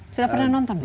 sudah pernah nonton belum